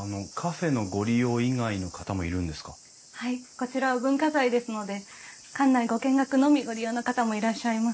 こちらは文化財ですので館内ご見学のみご利用の方もいらっしゃいます。